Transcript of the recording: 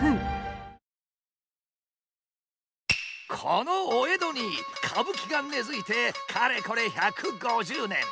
このお江戸に歌舞伎が根づいてかれこれ１５０年。